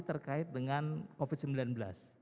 terkait dengan covid sembilan belas